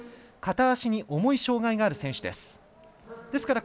片足に重い障がいがある選手です。